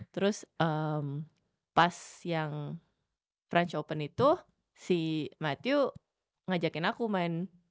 terus emm pas yang french open itu si matthew ngajakin aku main